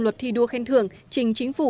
luật thi đua khen thường trình chính phủ